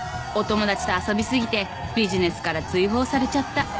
お友達と遊びすぎてビジネスから追放されちゃった